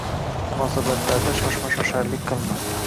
Munosabatlarda shoshma-shosharlik qilma.